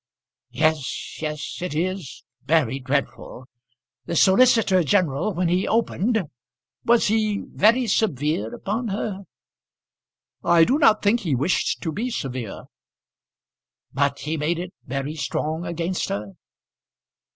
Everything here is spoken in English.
"Yes, yes. It is very dreadful. The solicitor general when he opened, was he very severe upon her?" "I do not think he wished to be severe." "But he made it very strong against her."